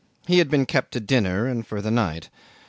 He had been kept to dinner and for the night.